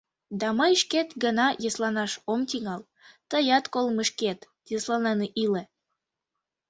Да мый шкет гына йӧсланаш ом тӱҥал; тыят колымешкет йӧсланен иле».